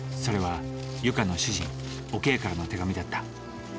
それはゆかの主人お慶からの手紙だった。